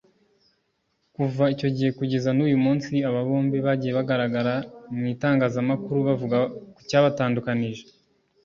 Kuva icyo gihe kugeza n’uyu munsi aba bombi bagiye bagaragara mu Itangazamakuru bavuga ku cyabatandukanyije